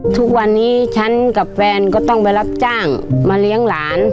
ทุกวันนี้ฉันกับแฟนก็ต้องไปรับจ้างมาเลี้ยงหลาน